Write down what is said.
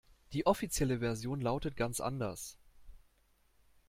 Die offizielle Version lautet ganz anders.